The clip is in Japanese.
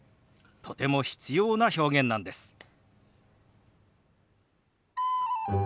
とても必要な表現なんです。